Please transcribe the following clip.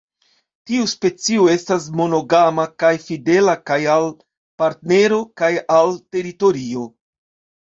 Tiu specio estas monogama kaj fidela kaj al partnero kaj al teritorio.